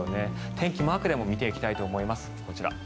天気、マークでも見ていきたいと思います。